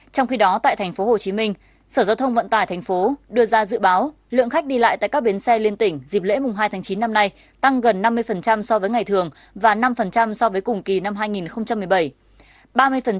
trong khi đó tại tp hcm sở giao thông vận tải tp đưa ra dự báo lượng khách đi lại tại các bến xe liên tỉnh dịp lễ hai tháng chín năm nay tăng gần năm mươi so với ngày thường và năm so với cùng kỳ năm hai nghìn một mươi bảy